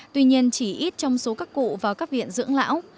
tuy nhiên chỉ ít trong số các cụ vào các viện dưỡng lão